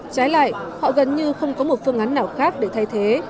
trái lại họ gần như không có một phương án nào khác để thay thế